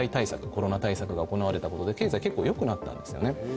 コロナ対策が行われたことで経済結構よくなったんですよね。